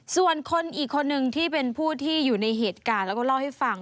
ส่วนคนอีกคนนึงที่เป็นผู้ที่อยู่ในเหตุการณ์แล้วก็เล่าให้ฟัง